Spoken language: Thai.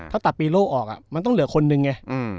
ถ้าตัดปีโล่ออกมันต้องเหลือคนนึงไง